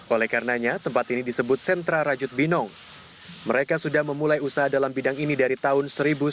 oleh karenanya tempat ini disebut sentra rajut binong mereka sudah memulai usaha dalam bidang ini dari tahun seribu sembilan ratus sembilan puluh